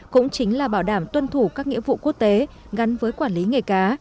cũng chính là bảo đảm tuân thủ các nghĩa vụ quốc tế gắn với quản lý nghề cá